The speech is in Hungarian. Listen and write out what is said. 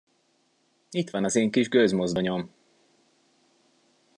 Itt van az én kis gőzmozdonyom!